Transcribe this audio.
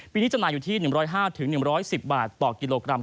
ปีนี้จำหน่ายอยู่ที่๑๐๕๑๑๐บาทต่อกิโลกรัม